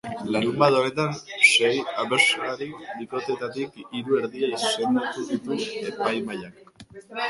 Larunbat honetan sei abeslari bikoteetatik hiru, erdia, izendatuko ditu epaimahaiak.